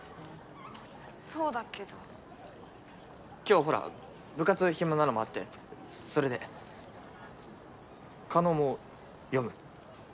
そうだけど今日ほら部活暇なのもあってそれで叶も読む？